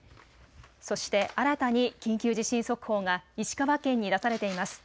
そして新たに緊急地震速報が石川県に出されています。